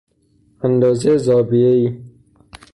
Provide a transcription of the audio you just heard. اندازه زاویه ای